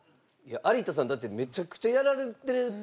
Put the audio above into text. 有田さんだってめちゃくちゃやられてる時。